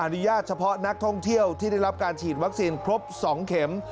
อนุญาตเฉพาะนักท่องเที่ยวที่ได้รับการฉีดวัคซีนครบ๒เข็ม